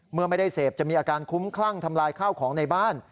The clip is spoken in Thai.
เมื่อไม่ได้เสพจะมีอาการคุ้มคลั่งทำลายข้าวของในบ้าน